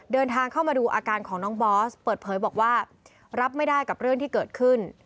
เดินทางเข้ามาดูอาการของน้องบอสเปิดเผยบอกว่ารับไม่ได้กับเรื่องที่เกิดขึ้น